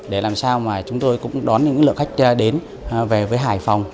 để làm sao mà chúng tôi cũng đón những lượng khách đến về với hải phòng